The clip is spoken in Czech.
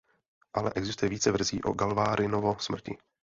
Ale existuje více verzí o Galvarinovo smrti.